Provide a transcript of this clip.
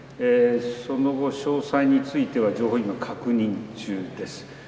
その後、詳細については情報を今、確認中です。